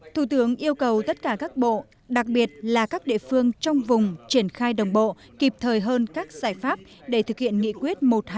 thủ tướng yêu cầu tất cả các bộ đặc biệt là các địa phương trong vùng triển khai đồng bộ kịp thời hơn các giải pháp để thực hiện nghị quyết một nghìn hai mươi